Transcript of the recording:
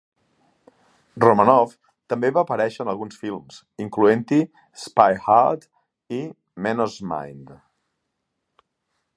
Romanov també va aparèixer en alguns films, incloent-hi "Spy Hard" i "Menno's Mind".